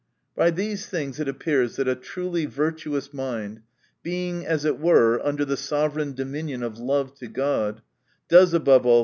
By these things it appears, that a truly virtuous mind, being, as it were, THE NATURE OF VIRTUE. 271 und<r the sovereign dominion of lo ve to God, does above all t.